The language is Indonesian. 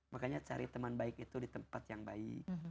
makanya cari teman baik itu di tempat yang baik